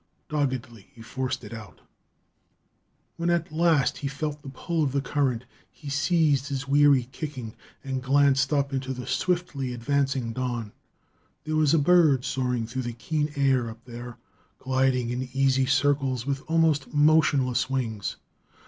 Doggedly, he forced it out. When at last he felt the pull of the current, he ceased his weary kicking and glanced up into the swiftly advancing dawn. There was a bird soaring through the keen air up there, gliding in easy circles with almost motionless wings.